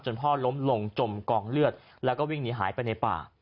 พ่อล้มลงจมกองเลือดแล้วก็วิ่งหนีหายไปในป่า